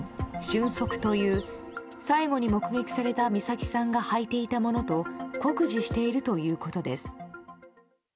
「瞬足」という最後に目撃された美咲さんが履いていたものと酷似しているということです。